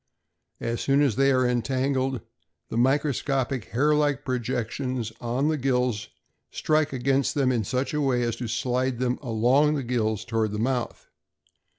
As soon as they are entangled, the microscopic hair like projections on the gills strike against them in such a way as to slide them along the gills toward the mouth.